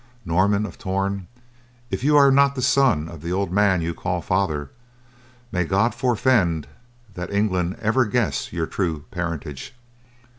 Norman of Torn, if you are not the son of the old man you call father, may God forfend that England ever guesses your true parentage.